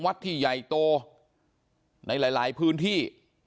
วัดที่ใหญ่โตในหลายพื้นที่